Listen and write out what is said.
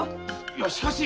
いやしかし！